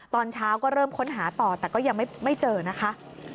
ตอนเช้าก็เริ่มค้นหาต่อแต่ก็ยังไม่เจอนะคะ